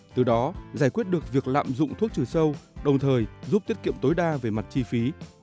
từ đó giải quyết được việc lạm dụng thuốc trừ sâu đồng thời giúp tiết kiệm tối đa về mặt chi phí